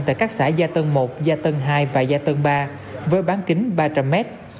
tại các xã gia tân một gia tân hai và gia tân ba với bán kính ba trăm linh mét